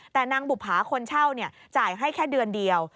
แต่นางบุภาคนเช่าจ่ายให้แค่เดือนเดียว